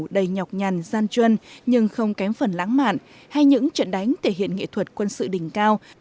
đầy nhọc nhằn gian chuân nhưng không kém phần lãng mạn hay những trận đánh thể hiện nghệ thuật quân sự đỉnh cao